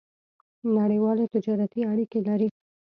نړیوالې تجارتي اړیکې لرلې.